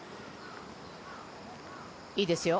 いいですよ。